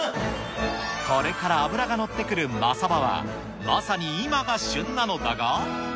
これから脂が乗ってくるマサバは、まさに今が旬なのだが。